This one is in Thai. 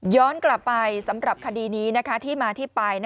กลับไปสำหรับคดีนี้ที่มาที่ไป